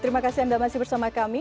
terima kasih anda masih bersama kami